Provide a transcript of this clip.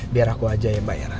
biar aku aja yang bayar